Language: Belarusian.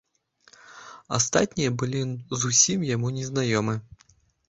Астатнія былі зусім яму незнаёмы.